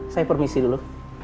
saya permisi dulu